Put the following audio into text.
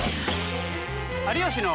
「有吉の」。